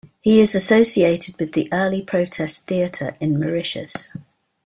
He is associated with the early protest theatre in Mauritius.